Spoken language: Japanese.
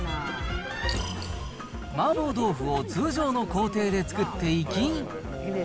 麻婆豆腐を通常の工程で作っていき。